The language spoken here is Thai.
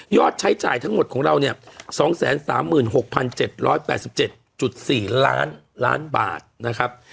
ยอดใช้จ่ายทั้งหมดของเราเนี่ยสองแสนสามหมื่นหกพันเจ็ดร้อยแปดสิบเจ็ดจุดสี่ล้านล้านบาทนะครับ